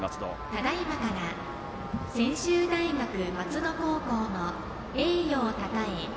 ただいまから専修大学松戸高校の栄誉をたたえ